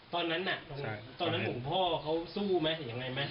ตอนนั้นหลวงพ่อเขาสู้ไหมยังไงไหม